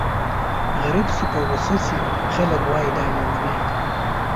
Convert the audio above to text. غريب چې په غوسه شي خلک وايي دا لېونی دی.